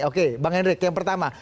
oke bang hendrik yang pertama